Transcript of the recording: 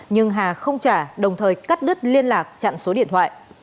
nhưng hà không trả đồng thời cắt đứt liên lạc chặn số điện thoại